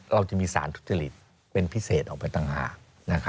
เราจะมีสารทุจริตเป็นพิเศษออกไปต่างหาก